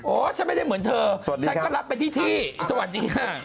โอ้ฉันไม่ได้เหมือนเธอฉันก็รับเป็นที่สวัสดีครับสวัสดีครับ